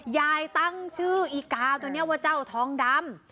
ยายตั้งชื่ออีกาวตัวนี้ว่าเจ้าทองดำ